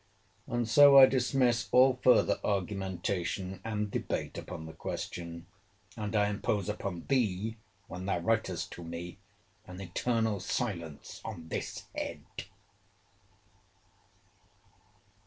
—And so I dismiss all further argumentation and debate upon the question: and I impose upon thee, when thou writest to me, an eternal silence on this head.